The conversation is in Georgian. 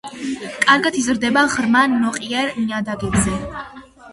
კარგად იზრდება ღრმა ნოყიერ ნიადაგებზე.